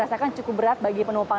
jadi itu memang cukup berat bagi penumpang